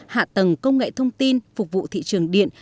hạ tầng công nghệ thông tin phục vụ thị trường điện